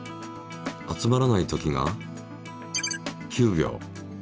集まらないときが９秒。